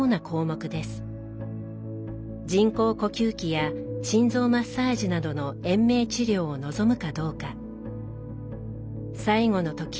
人工呼吸器や心臓マッサージなどの延命治療を望むかどうか。